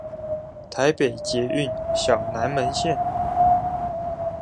臺北捷運小南門線